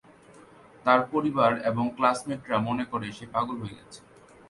তার পরিবার এবং ক্লাস মেট রা মনে করে সে পাগল হয়ে গেছে।